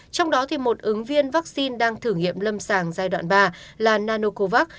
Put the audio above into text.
trong đó một ứng viên vaccine đang thử nghiệm lâm sàng giai đoạn ba là nanocovax